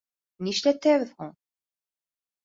— Ни эшләтәбеҙ һуң?